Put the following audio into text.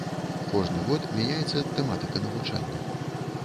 Кожны год мяняецца тэматыка навучання.